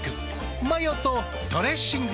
マヨとドレッシングで。